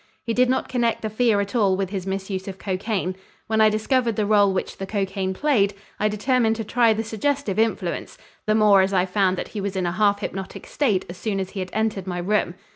He did not connect the fear at all with his misuse of cocaine. When I discovered the rôle which the cocaine played, I determined to try the suggestive influence, the more as I found that he was in a half hypnotic state as soon as he had entered my room.